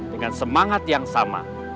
dengan semangat yang sama